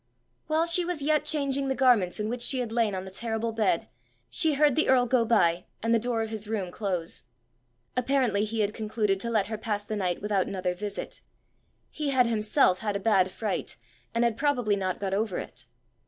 While she was yet changing the garments in which she had lain on the terrible bed, she heard the earl go by, and the door of his room close. Apparently he had concluded to let her pass the night without another visit: he had himself had a bad fright, and had probably not got over it.